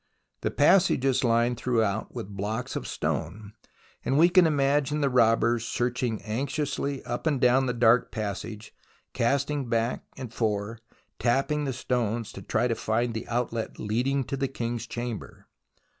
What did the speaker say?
The passage is lined throughout with blocks of stone, and we can imagine the robbers searching anxiously up and down the dark passage, casting back and fore, tapping the stones to try to find the outlet leading to the King's Chamber.